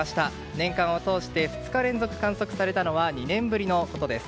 年間を通して２日連続、観測されたのは２年ぶりのことです。